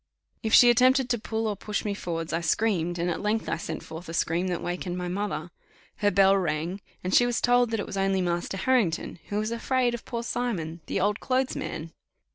If she attempted to pull or push me forwards I screamed, and at length I sent forth a scream that wakened my mother her bell rang, and she was told that it was only Master Harrington, who was afraid of poor Simon, the old clothes man.